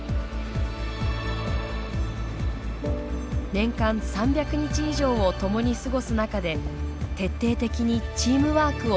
年間３００日以上を共に過ごす中で徹底的にチームワークを磨き上げた。